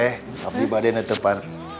eh tapi badannya depan